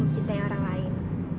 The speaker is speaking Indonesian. cintain orang lain